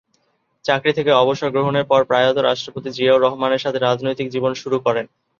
চাকরি থেকে অবসর গ্রহণের পর প্রয়াত রাষ্ট্রপতি জিয়াউর রহমানের সাথে রাজনৈতিক জীবন শুরু করেন।